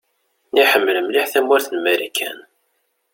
Iḥemmel mliḥ tamurt n Marikan.